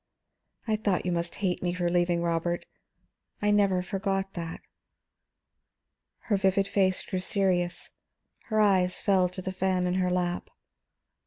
"I thought you must hate me for leaving Robert; I never forgot that." Her vivid face grew serious, her eyes fell to the fan in her lap.